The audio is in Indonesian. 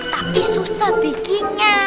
tapi susah bikinnya